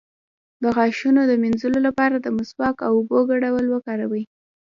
د غاښونو د مینځلو لپاره د مسواک او اوبو ګډول وکاروئ